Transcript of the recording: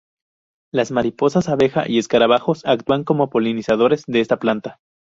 Las mariposas, abejas y escarabajos actúan como polinizadores de esta planta.